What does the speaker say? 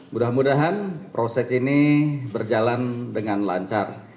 mudah mudahan proses ini berjalan dengan lancar